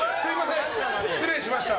失礼しました。